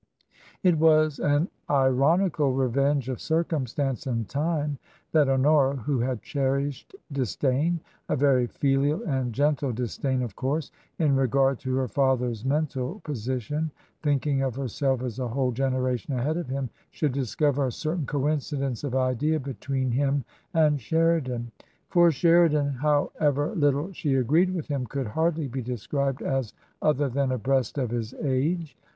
It was an ironical revenge of circumstance and time that Honora, who had cherished disdain — a very filial and gentle disdain, of course — in regard to her father's mental position, thinking of herself as a whole genera tion ahead of him, should discover a certain coincidence of idea between him and Sheridan. For Sheridan, how ever little she agreed with him, could hardly be described as other than abreast of his age.